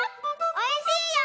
おいしいよ！